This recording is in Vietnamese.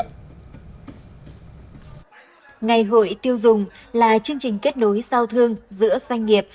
ngày hội tiêu dùng là chương trình kết nối giao thương giữa doanh nghiệp